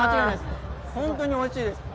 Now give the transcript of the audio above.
本当においしいです。